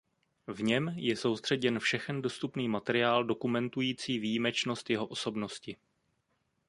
V něm je soustředěn všechen dostupný materiál dokumentující výjimečnost jeho osobnosti.